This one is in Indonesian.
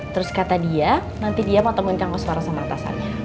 terus kata dia nanti dia mau temuin kang koswara sama ratasannya